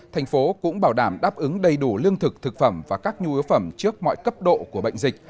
thành phố cũng bảo đảm đáp ứng đầy đủ lương thực thực phẩm và các nhu yếu phẩm trước mọi cấp độ của bệnh dịch